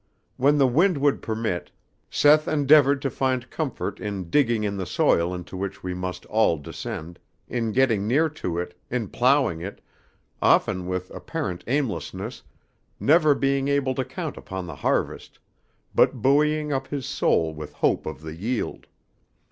When the wind would permit, Seth endeavored to find comfort in digging in the soil into which we must all descend, in getting near to it, in ploughing it, often with apparent aimlessness, never being able to count upon the harvest, but buoying up his soul with hope of the yield.